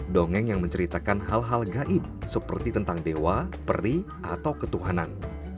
dongeng yang menceritakan hal hal gaib seperti tentang dewa peri atau ketuhanan